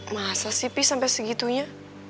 masa sih pi sampai segitunya